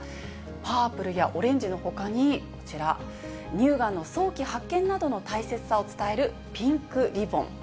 パープルやオレンジのほかに、こちら、乳がんの早期発見などの大切さを伝えるピンクリボン。